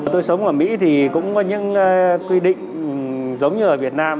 tôi sống ở mỹ thì cũng có những quy định giống như ở việt nam